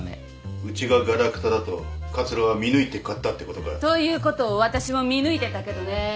うちがガラクタだと桂は見抜いて買ったってことか。ということを私も見抜いてたけどね。